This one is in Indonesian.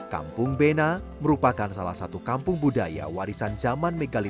kampung bena merupakan salah satu kampung budaya warisan zaman megali